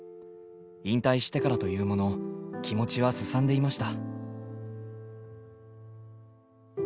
引退してからというもの気持ちはすさんでいました。